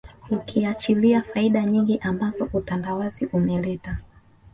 Ukiachilia faida nyingi ambazo utandawazi umeleta